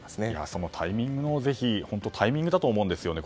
そのタイミング本当タイミングだと思うんですよね。